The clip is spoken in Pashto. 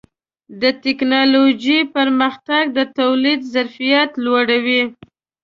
د ټکنالوجۍ پرمختګ د تولید ظرفیت لوړوي.